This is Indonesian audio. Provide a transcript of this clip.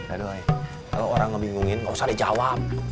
aduh kalau orang ngebingungin gak usah dijawab